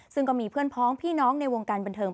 ซึ่งก็มีเพื่อนพ้องพี่น้องในวงการบันเทิง